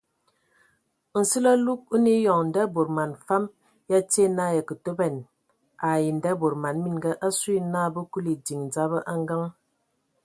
Nsili alug o nə eyɔŋ nda bod man fam ya tie na ya kə toban ai ndabod man mininga asu ye na bə kuli ediŋ dzaba a ngəŋ.